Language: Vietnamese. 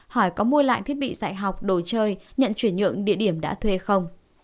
hỏi có mua lại thiết bị dạy học đồ chơi nhận chuyển nhượng địa điểm đã thuê không